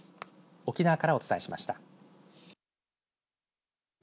沖縄からお伝えしました。